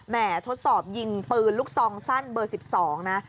ทดสอบยิงปืนลูกซองสั้นเบอร์๑๒นะ